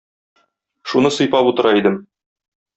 Шуны сыйпап утыра идем.